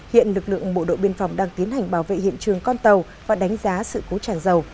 hiện lực lượng bộ đội biên phòng đang tiến hành bảo vệ hiện trường con tàu và đánh giá sự cố tràn dầu